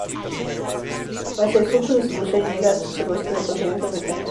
Hacia el sur su distribución llega hasta el sureste del continente africano.